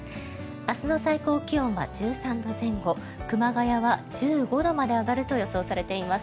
明日の最高気温は１３度前後熊谷は１５度まで上がると予想されています。